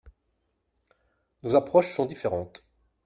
Nos approches sont différentes.